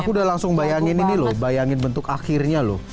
aku udah langsung bayangin ini loh bayangin bentuk akhirnya loh